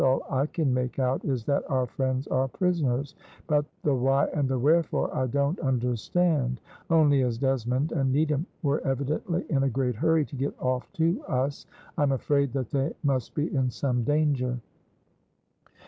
All I can make out is that our friends are prisoners, but the why and the wherefore I don't understand; only as Desmond and Needham were evidently in a great hurry to get off to us, I'm afraid that they must be in some danger."